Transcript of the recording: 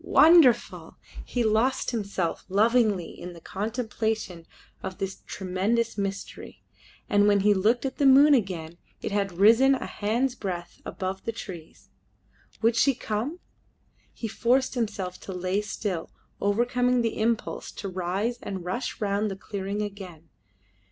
Wonderful! He lost himself lovingly in the contemplation of this tremendous mystery, and when he looked at the moon again it had risen a hand's breadth above the trees. Would she come? He forced himself to lay still, overcoming the impulse to rise and rush round the clearing again.